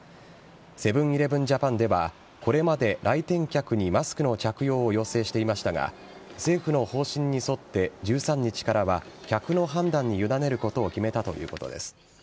セブン‐イレブン・ジャパンではこれまで来店客にマスクの着用を要請していましたが政府の方針に沿って１３日からは客の判断に委ねることを決めたということです。